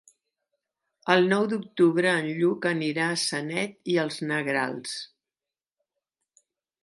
El nou d'octubre en Lluc anirà a Sanet i els Negrals.